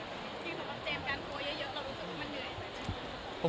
ที่สำหรับเจมสการกลัวเยอะเรารู้สึกว่ามันเหนื่อยไหม